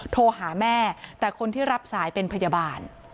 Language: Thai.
โทรหาแม่แต่คนที่รับสายเป็นพยาบาล